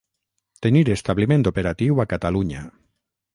Tenir establiment operatiu a Catalunya.